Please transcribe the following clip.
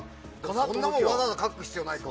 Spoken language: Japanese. そんなのわざわざ書く必要ないか。